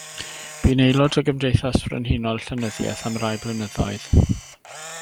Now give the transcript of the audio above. Bu'n aelod o Gymdeithas Frenhinol Llenyddiaeth am rai blynyddoedd.